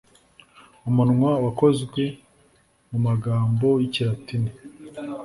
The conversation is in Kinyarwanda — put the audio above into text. Umunwa wakozwe mumagambo yikilatini